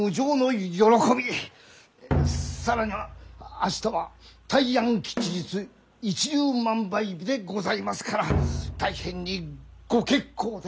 更には明日は大安吉日一粒万倍日でございますから大変にご結構で！